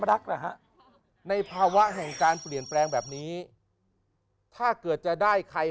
รักเหรอฮะในภาวะแห่งการเปลี่ยนแปลงแบบนี้ถ้าเกิดจะได้ใคร